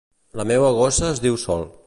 La meua gossa es diu Sol.